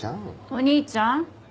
お兄ちゃん。